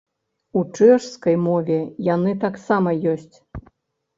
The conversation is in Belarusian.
У чэшскай мове яны таксама ёсць.